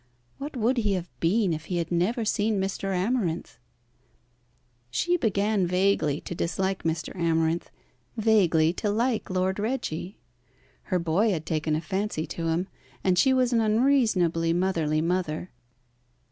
What would he have been if he had never seen Mr. Amarinth?" She began vaguely to dislike Mr. Amarinth, vaguely to like Lord Reggie. Her boy had taken a fancy to him, and she was an unreasonably motherly mother.